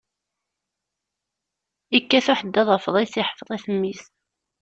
Ikkat uḥeddad afḍis, iḥfeḍ-it mmi-s.